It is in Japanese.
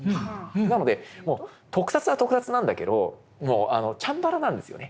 なのでもう特撮は特撮なんだけどチャンバラなんですよね。